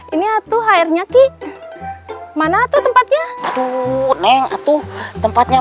ini atuh airnya ki mana tuh tempatnya